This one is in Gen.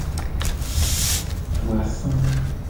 Tu asangu.